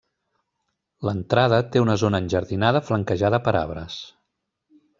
L'entrada té una zona enjardinada flanquejada per arbres.